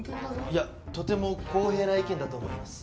いやとても公平な意見だと思います。